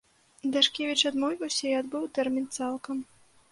Дашкевіч адмовіўся і адбыў тэрмін цалкам.